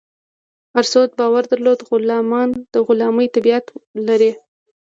ارسطو باور درلود غلامان د غلامي طبیعت لري.